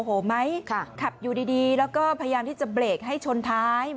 เหมือนแกล้งเราใช่ไหมครับ